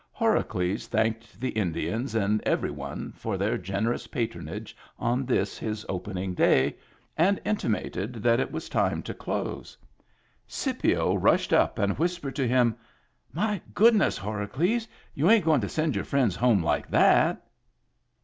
Horacles thanked the Indians and every one for their generous patron age on this his opening day, and intimated that it was time to close. Scipio rushed up and whis pered to him :—" My goodness, Horacles! You ain't going to send your friends home like that